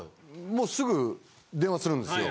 もうすぐ電話するんですよ。